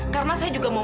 karena saya juga mau